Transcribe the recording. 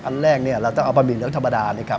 อันแรกเราจะเอาปะหมี่เหลืองธรรมดา